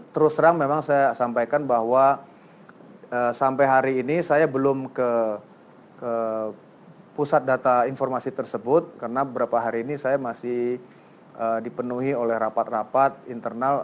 terus terang memang saya sampaikan bahwa sampai hari ini saya belum ke pusat data informasi tersebut karena beberapa hari ini saya masih dipenuhi oleh rapat rapat internal